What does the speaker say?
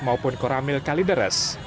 maupun koramil kalideres